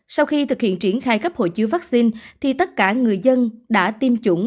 sau khi thực hiện triển khai cấp hộ chiếu vaccine thì tất cả người dân đã tiêm chủng